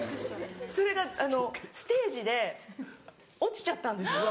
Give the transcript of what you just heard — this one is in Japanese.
それがステージで落ちちゃったんです。